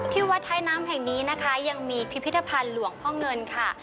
วัดท้ายน้ำแห่งนี้นะคะยังมีพิพิธภัณฑ์หลวงพ่อเงินค่ะ